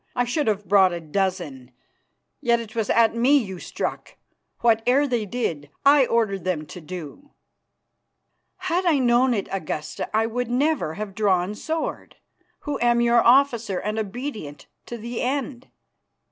I should have brought a dozen. Yet it was at me you struck. Whate'er they did I ordered them to do." "Had I known it, Augusta, I would never have drawn sword, who am your officer and obedient to the end."